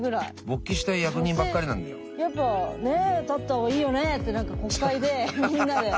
女性やっぱね立った方がいいよねって国会でみんなで。